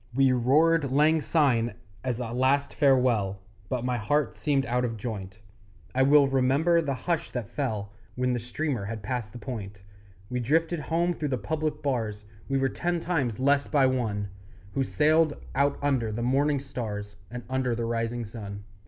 We roared Lang Syne as a last farewell, But my heart seemed out of joint; I well remember the hush that fell When the steamer had passed the point We drifted home through the public bars, We were ten times less by one Who sailed out under the morning stars, And under the rising sun.